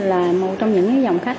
là một trong những dòng khách